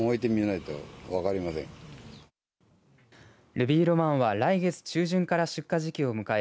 ルビーロマンは来月中旬から出荷時期を迎え